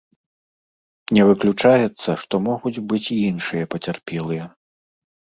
Не выключаецца, што могуць быць і іншыя пацярпелыя.